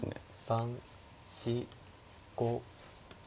３４５。